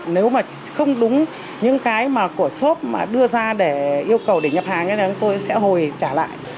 nếu mà không đúng những cái mà của shop đưa ra để yêu cầu để nhập hàng thì tôi sẽ hồi trả lại